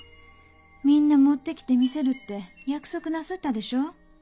みんな持ってきて見せるって約束なすったでしょう？